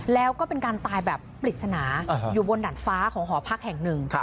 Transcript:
แล้วก็เป็นการตายแบบปริศนาอยู่บนดัดฟ้าของหอพักแห่งหนึ่ง